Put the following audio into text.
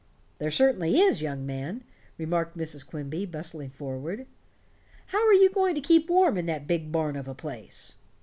"There certainly is, young man," remarked Mrs. Quimby, bustling forward. "How are you going to keep warm in that big barn of a place?"